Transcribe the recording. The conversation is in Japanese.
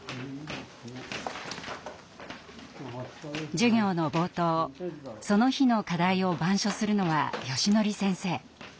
授業の冒頭その日の課題を板書するのはよしのり先生。